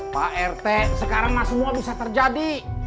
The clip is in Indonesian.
pak rt sekarang mas semua bisa terjadi